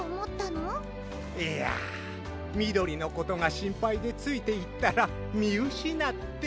いやみどりのことがしんぱいでついていったらみうしなって。